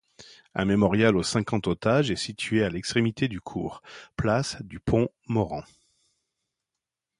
Un mémorial aux Cinquante Otages est situé à l'extrémité du cours, place du Pont-Morand.